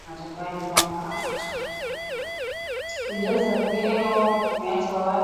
kujaza vyeo ambavyo vimeachwa wazi tangu uachaguzi mkuu wa mwaka elfu mbili na kumi na nane